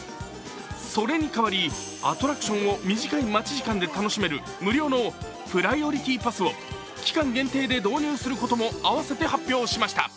それに代わりアトラクションを短い待ち時間で楽しめる無料のプライオリティパスを期間限定で導入することも併せて発表しました。